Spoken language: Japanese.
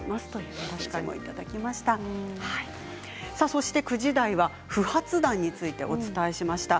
そして９時台は不発弾についてお伝えしました。